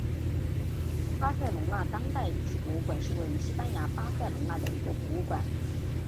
巴塞隆纳当代艺术博物馆是位于西班牙巴塞隆纳的一座博物馆。